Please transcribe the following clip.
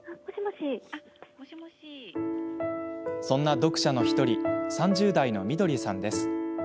そんな読者の１人３０代のみどりさんです。